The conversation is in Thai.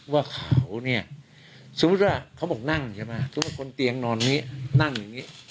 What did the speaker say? ว่าเขาเนี่ยสมมุติว่าเขาบอกนั่งใช่ไหมสมมุติคนเตียงนอนนี้นั่งอย่างนี้